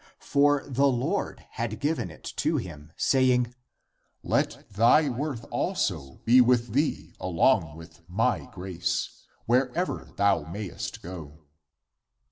For the Lord had given it to him, saying, " Let thy worth also be with thee along with my grace, wherever thou mayest go."